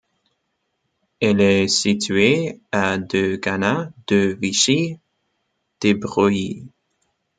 Elle est située à de Gannat, de Vichy, d'Ébreuil.